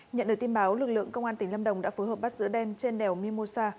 nhận được tin báo lực lượng công an tỉnh lâm đồng đã phối hợp bắt giữ đen trên đèo mimosa